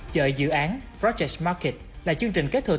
chợ dự án project market là chương trình kết thúc